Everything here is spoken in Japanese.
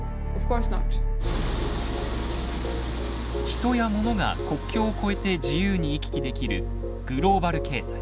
人や物が国境を越えて自由に行き来できるグローバル経済。